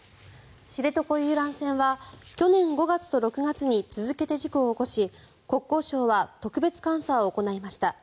知床遊覧船は去年５月と６月に続けて事故を起こし国交省は特別監査を行いました。